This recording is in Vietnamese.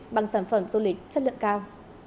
bằng sản phẩm du lịch chất lượng cao